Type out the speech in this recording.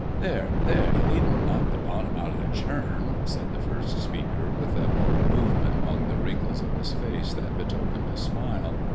"There! there! ye needn't knock the bottom out'n the churn," said the first speaker, with a movement among the wrinkles of his face that betokened a smile.